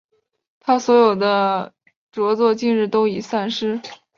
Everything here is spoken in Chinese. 他所有的着作今日都已散失。